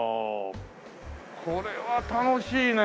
これは楽しいね！